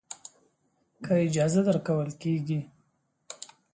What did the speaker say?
که اجازه درکول کېږي.